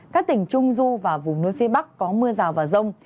các tỉnh trung du và vùng núi phía bắc có mưa rào và rông